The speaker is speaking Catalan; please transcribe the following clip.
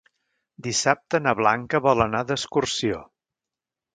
Dissabte na Blanca vol anar d'excursió.